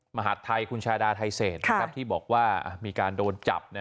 มหาดไทยคุณชาดาไทเศษที่บอกว่ามีการโดนจับ